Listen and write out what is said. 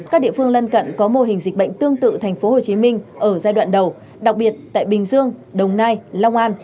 các địa phương lân cận có mô hình dịch bệnh tương tự tp hcm ở giai đoạn đầu đặc biệt tại bình dương đồng nai long an